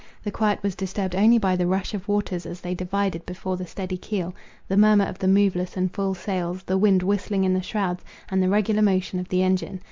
The quiet was disturbed only by the rush of waters as they divided before the steady keel, the murmur of the moveless and full sails, the wind whistling in the shrouds, and the regular motion of the engine.